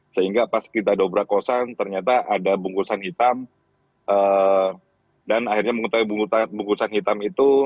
sehingga pas kita dobrak kosan ternyata ada bungkusan hitam dan akhirnya mengetahui bungkusan hitam itu